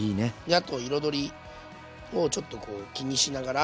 あと彩りをちょっとこう気にしながら。